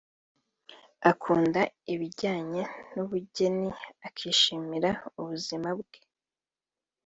akunda ibijyanye n’ubugeni akishimira ubuzima bwe